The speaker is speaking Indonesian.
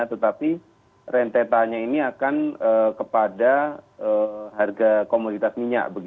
tetapi rentetannya ini akan kepada harga komoditas minyak